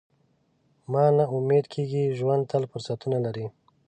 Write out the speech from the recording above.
مه نا امیده کېږه، ژوند تل فرصتونه لري.